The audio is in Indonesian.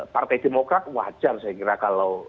partai demokrat wajar saya kira kalau